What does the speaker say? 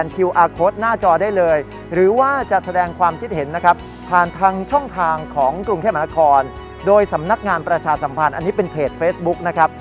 เพื่อประชาสัมพันธ์อันนี้เป็นเพจเฟสบุ๊คนะครับ